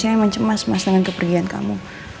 saya emang cemas mas dengan kepergian kamu